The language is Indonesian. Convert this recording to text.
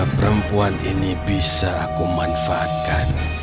perempuan ini bisa aku manfaatkan